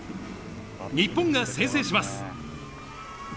日本が先制します。